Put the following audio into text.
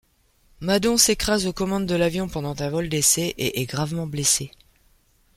Madon s'écrase aux commandes de l'avion pendant un vol d'essai et est gravement blessé.